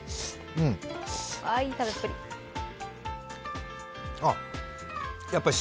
いい食べっぷり。